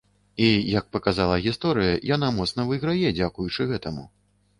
І, як паказала гісторыя, яна моцна выйграе дзякуючы гэтаму.